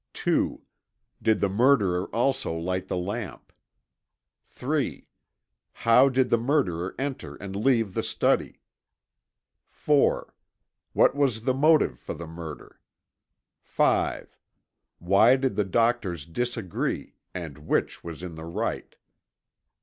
(2) Did the murderer also light the lamp? (3) How did the murderer enter and leave the study? (4) What was the motive for the murder? (5) Why did the doctors disagree, and which was in the right?